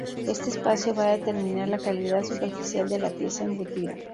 Este espacio va a determinar la calidad superficial de la pieza embutida.